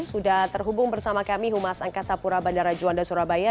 sudah terhubung bersama kami humas angkasa pura bandara juanda surabaya